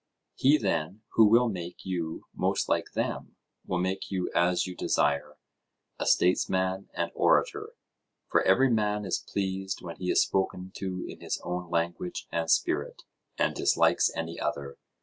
He, then, who will make you most like them, will make you as you desire, a statesman and orator: for every man is pleased when he is spoken to in his own language and spirit, and dislikes any other.